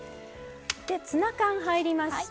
ツナ缶入りました。